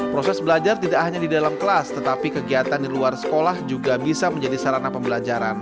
proses belajar tidak hanya di dalam kelas tetapi kegiatan di luar sekolah juga bisa menjadi sarana pembelajaran